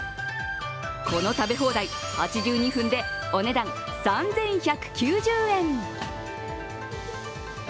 この食べ放題、８２分でお値段３１９０円。